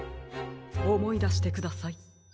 おもいだしてください。